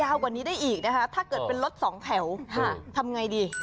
กว่านี้ได้อีกนะคะถ้าเกิดเป็นรถสองแถวทำไงดี